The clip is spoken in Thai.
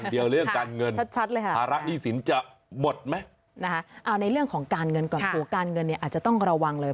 เอาในเรื่องของการเงินก่อนครูการเงินอาจจะต้องระวังเลย